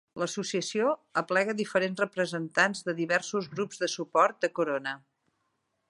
L'associació aplega diferents representants de diversos grups de suport de Korona.